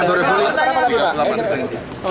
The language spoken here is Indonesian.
dua ribu tiga puluh delapan pertanyaan